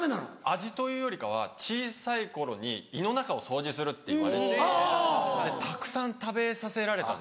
味というよりかは小さい頃に胃の中を掃除するって言われてたくさん食べさせられたんですよね。